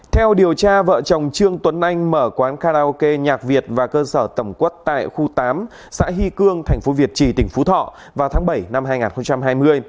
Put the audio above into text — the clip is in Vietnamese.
theo điều tra vợ chồng trương tuấn anh mở quán karaoke nhạc việt và cơ sở tổng quất tại khu tám xã hy cương tp việt trì tỉnh phú thọ vào tháng bảy năm hai nghìn hai mươi